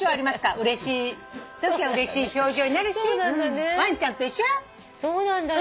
うれしいときはうれしい表情になるしワンちゃんと一緒よ。